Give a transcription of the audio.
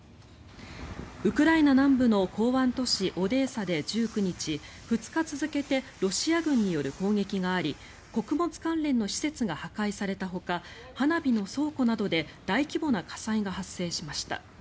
ウクライナ南部の港湾都市オデーサで１９日２日続けてロシア軍による攻撃があり穀物関連の施設が破壊されたほか花火の倉庫などで大規模な火災が発生しました。